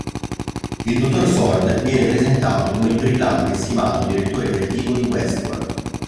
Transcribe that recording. Il Dottor Ford viene presentato come il brillante e stimato direttore creativo di Westworld.